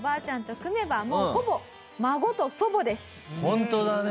ホントだね。